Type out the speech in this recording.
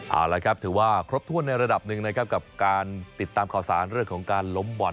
เอาละครับถือว่าครบถ้วนในระดับหนึ่งนะครับกับการติดตามข่าวสารเรื่องของการล้มบอล